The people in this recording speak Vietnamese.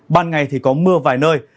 ban ngày thì có mưa vài nơi